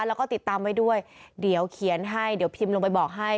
แล้วก็ติดตามไว้ด้วยเดี๋ยวเขียนให้เดี๋ยวพิมพ์ลงไปบอกให้